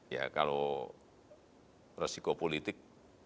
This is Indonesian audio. ya kalau resiko politik